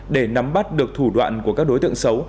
để nắm bắt được thủ đoạn của các đối tượng xấu